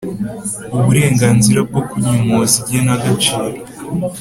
uburenganzira bwo kunyomoza igena gaciro